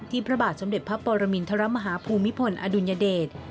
พระบาทสมเด็จพระปรมินทรมาฮาภูมิพลอดุลยเดช